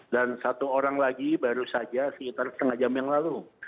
dan satu orang lagi baru saja sekitar setengah jam yang lalu